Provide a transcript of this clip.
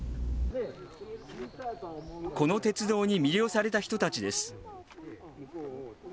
この鉄道に魅了された人たちです。